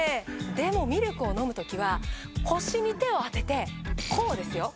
でもミルクを飲む時は腰に手を当ててこうですよ。